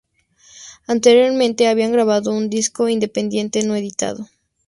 Anteriormente habían grabado un disco independiente no editado.